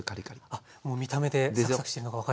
あっもう見た目でサクサクしてるのが分かります。